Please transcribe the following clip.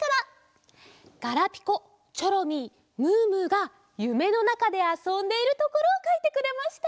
ガラピコチョロミームームーがゆめのなかであそんでいるところをかいてくれました。